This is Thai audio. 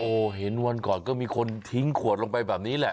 โอ้โหเห็นวันก่อนก็มีคนทิ้งขวดลงไปแบบนี้แหละ